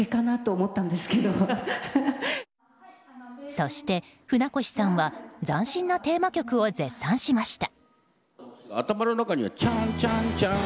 そして、船越さんは斬新なテーマ曲を絶賛しました。